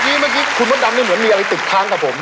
เมื่อกี้คุณมดดำนี่เหมือนมีอะไรติดค้างกับผม